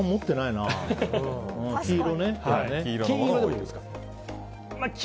持ってないです。